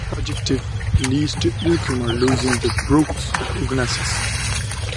The absence of an adjective leads to Elcmar losing the Brugh to Oengus.